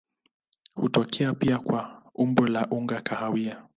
Hutokea pia kwa umbo la unga kahawia.